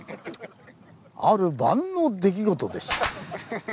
ある晩の出来事でした。